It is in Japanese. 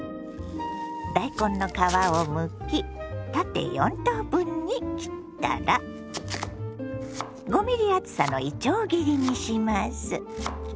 大根の皮をむき縦４等分に切ったら５ｍｍ厚さのいちょう切りにします。